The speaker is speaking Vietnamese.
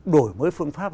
đổi mới phương pháp